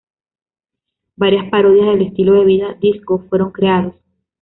Varias parodias del estilo de vida disco fueron creados.